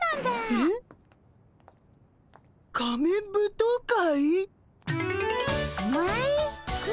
えっ？仮面舞踏会？